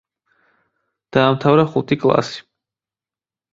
დაამთავრა ხუთი კლასი.